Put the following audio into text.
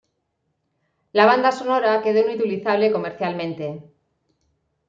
La banda sonora quedó inutilizable comercialmente.